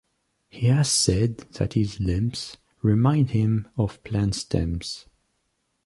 He has said that his "limbs" reminded him of plant stems.